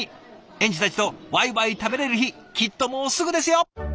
園児たちとわいわい食べれる日きっともうすぐですよ！